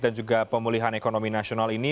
dan juga pemulihan ekonomi nasional ini